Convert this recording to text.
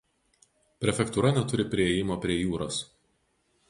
Prefektūra neturi priėjimo prie jūros.